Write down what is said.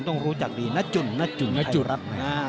ต้องรู้จักดีนะจุ่นนะจุ่นนะจุรัฐ